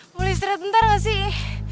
boleh istirahat sebentar gak sih